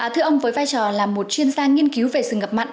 thưa ông với vai trò là một chuyên gia nghiên cứu về rừng ngập mặn